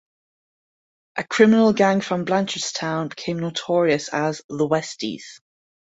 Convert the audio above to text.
A criminal gang from Blanchardstown became notorious as "The Westies".